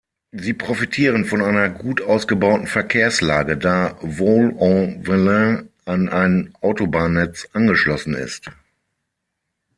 Sie profitieren von einer gut ausgebauten Verkehrslage, da Vaulx-en-Velin an ein Autobahnnetz angeschlossen ist.